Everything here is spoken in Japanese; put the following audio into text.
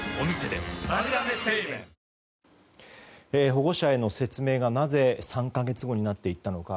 保護者への説明が、なぜ３か月後になっていったのか。